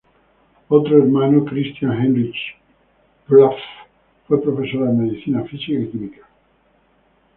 Otro hermano, Christian Heinrich Pfaff, fue profesor de medicina, física y química.